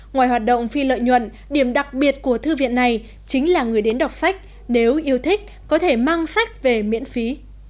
ngoài hoạt động phi lợi nhuận điểm đặc biệt của thư viện này chính là người đến đọc sách nếu yêu thích có thể mang sách về miễn phí